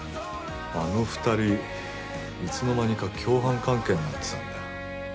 あの２人いつの間にか共犯関係になってたんだよ。